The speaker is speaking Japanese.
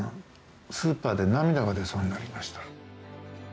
スーパーで涙が出そうになりました」。